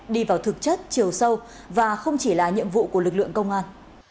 đi vào thực chất chiều sâu và không chỉ là nhiệm vụ của lực lượng công an